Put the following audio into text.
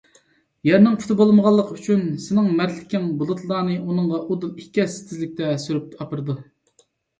يەرنىڭ پۇتى بولمىغانلىقى ئۈچۈن سېنىڭ مەرتلىكىڭ بۇلۇتلارنى ئۇنىڭغا ئۇدۇل ئىككى ھەسسە تېزلىكتە سۈرۈپ ئاپىرىدۇ.